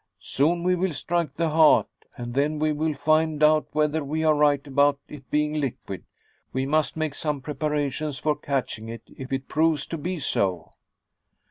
"Soon we will strike the heart, and then we will find out whether we are right about it being liquid. We must make some preparations for catching it, if it proves to be so."